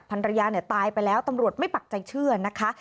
ภรรยาเนี่ยตายไปแล้วตำรวจไม่ปักใจเชื่อนะคะ